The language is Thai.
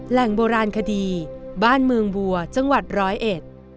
แหล่งโบราณคดีบ้านเมืองบัวจังหวัดร้อยเอ็ด